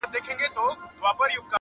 نه خبره یې پر باز باندي اثر کړي.!